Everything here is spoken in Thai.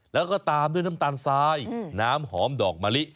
แล้วก็ตามด้วยน้ำตาลทรายน้ำหอมดอกมะลิ